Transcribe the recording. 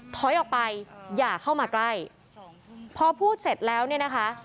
ถอยออกไปอย่าเข้ามาใกล้พอพูดเสร็จแล้วเนี่ยนะคะ